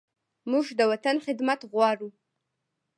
موږ د وطن خدمت غواړو.